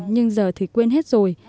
nhưng giờ thì quên hết rồi